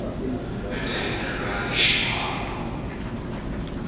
Antenna reddish brown.